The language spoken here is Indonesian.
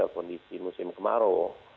kondisi musim kemarau